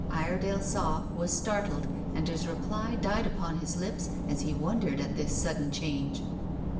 Iredale saw, was startled, and his reply died upon his lips as he wondered at this sudden change.